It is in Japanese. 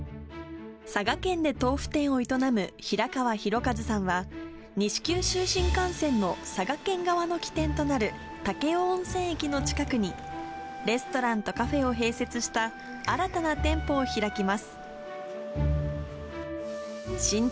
佐賀県で豆腐店を営む平川大計さんは、西九州新幹線の佐賀県側の起点となる武雄温泉駅の近くに、レストランとカフェを併設した新たな店舗を開きます。